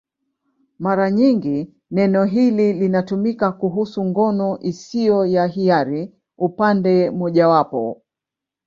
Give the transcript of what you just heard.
Mara nyingi neno hili linatumika kuhusu ngono isiyo ya hiari upande mmojawapo.